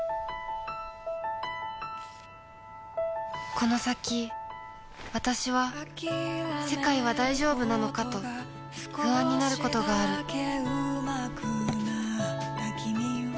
この先わたしは世界は大丈夫なのかと不安になることがある・トンッ